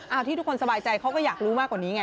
เอาที่ทุกคนสบายใจเขาก็อยากรู้มากกว่านี้ไง